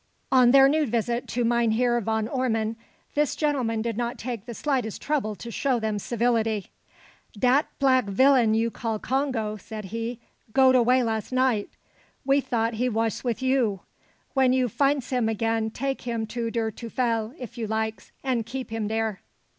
On their new visit to Mynheer Van Ormon, this gentleman did not take the slightest trouble to show them civility. "Dat plack villen you call Congo," said he, "goed away last night. We thought he vash mit you. When you fints him again take him to der tuyfel, if you likes, and keep him dare."